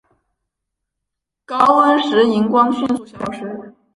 高温时荧光迅速消失。